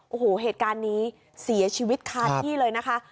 โอ้โหเหตุการณ์นี้เสียชีวิตคาที่เลยนะคะ